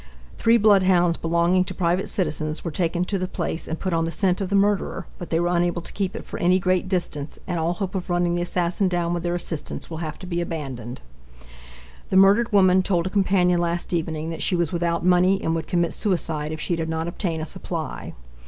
Thre bloodhounds belonging to private citizens were taken to the place and put on the scent of the murderer, but they were unable to keep it for any great distance and all hope of running the assassin down with their assistance will have to be abandoned. The murdered woman told a companion last evening that she was without money and would commit suicide if she did not obtain a supply.